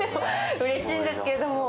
うれしいんですけど。